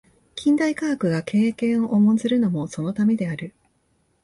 近代科学が経験を重んずるのもそのためである。